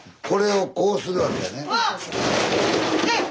これをこうするわけやね。